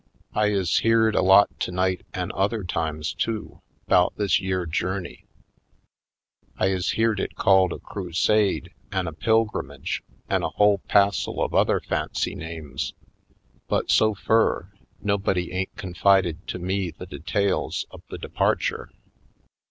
I is beared a lot tonight an' other times, too, 'bout this yere journey. I is beared it called a crusade an' a pilgrimage an' a whole passel of other fancy names. But so fur, nobody ain't confided to me the details of the departure."